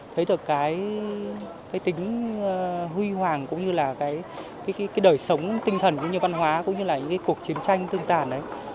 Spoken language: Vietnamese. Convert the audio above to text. thấy được cái tính huy hoàng cũng như là cái đời sống tinh thần cũng như văn hóa cũng như là những cái cuộc chiến tranh tương tàn đấy